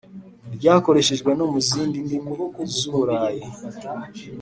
ryakoreshejwe no mu zindi ndimi zi burayi.